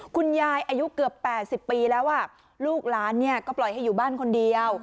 คุณยายอายุเกือบ๘๐ปีแล้วลูกหลานเนี่ยก็ปล่อยให้อยู่บ้านคนเดียว